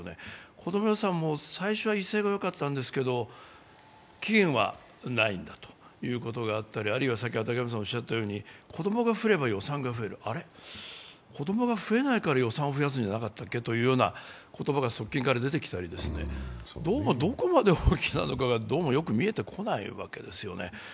こども予算も最初は威勢がよかったんですけど、期限はないんだということがあったり、あるいは子供が増えれば予算が増える、子供が増えないから予算が増えないんじゃなかったっけという声が側近から出てきたり、どこまで本気なのかがどうもよく見えてこないわけですよね。